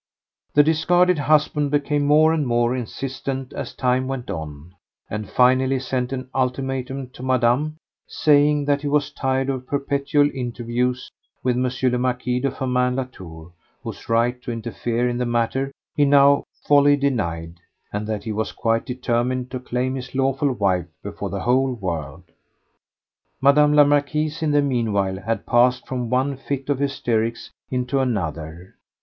The discarded husband became more and more insistent as time went on, and finally sent an ultimatum to Madame saying that he was tired of perpetual interviews with M. le Marquis de Firmin Latour, whose right to interfere in the matter he now wholly denied, and that he was quite determined to claim his lawful wife before the whole world. Madame la Marquise, in the meanwhile, had passed from one fit of hysterics into another.